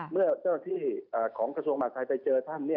เมื่อเจ้าที่ของกระทรวงมหาธัยไปเจอท่าน